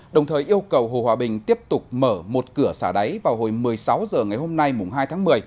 đồng thời yêu cầu hồ hòa bình tiếp tục mở một cửa xả đáy vào hồi một mươi sáu h ngày hôm nay hai tháng một mươi